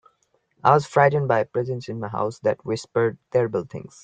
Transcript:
I was frightened by a presence in my house that whispered terrible things.